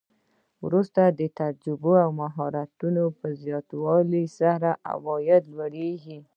وروسته د تجربو او مهارتونو په زیاتوالي سره عواید لوړیږي